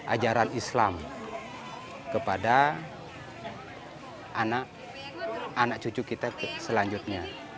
ajaran islam kepada anak cucu kita selanjutnya